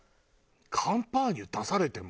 カンパーニュ出されても。